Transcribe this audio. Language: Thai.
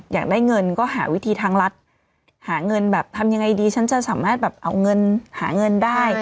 อยากได้เงินก็หาวิธีทางรัฐหาเงินแบบทำยังไงดีฉันจะสามารถแบบเอาเงินหาเงินได้